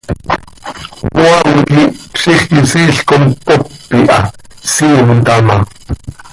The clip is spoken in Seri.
Cmaam quih zixquisiil com cpop iha, siim taa ma.